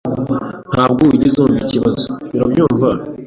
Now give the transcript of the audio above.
Ntabwo wigeze wumva ikibazo, urabyumva?